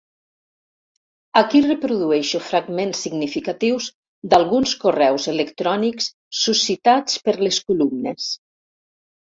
Aquí reprodueixo fragments significatius d'alguns correus electrònics suscitats per les columnes.